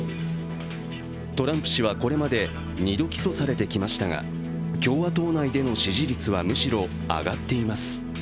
トランプ氏はこれまで２度起訴されてきましたが共和党内での支持率は、むしろ上がっています。